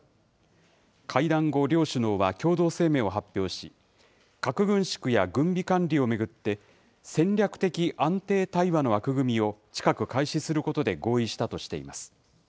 会談後、両首脳は共同声明を発表し、核軍縮や軍備管理を巡って、戦略的安定対話の枠組みを近く開始することで合意したとしています。